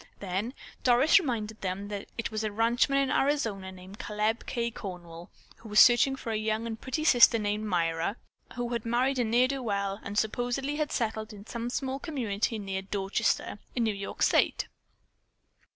Then Doris reminded them that it was a ranchman in Arizona named Caleb K. Cornwall who was searching for a young and pretty sister named Myra, who had married a ne'er do well and supposedly had settled in some small community near Dorchester, in New York State.